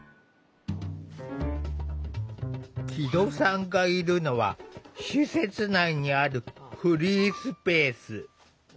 木戸さんがいるのは施設内にあるフリースペース。